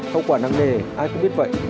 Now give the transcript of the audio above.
hậu quả năng nề ai cũng biết vậy